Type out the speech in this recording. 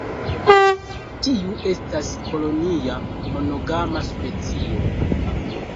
Tiu estas kolonia, monogama specio.